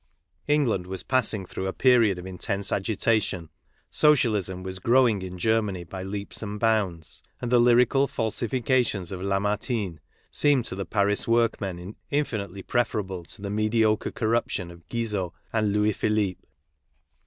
England was passing through a period of intense agitation. Socialism was growing in Germany by leaps and bounds; and the lyrical falsi fications of Lamartine seemed to the Paris workmen in finitely preferable to the mediocre corruption of Guizot and Louis Philippe.